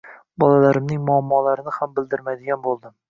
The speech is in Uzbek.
Bolalarimning muammolarini ham bildirmaydigan bo'ldim